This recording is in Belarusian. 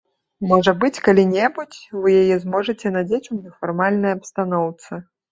Можа быць, калі-небудзь вы яе зможаце надзець ў нефармальнай абстаноўцы.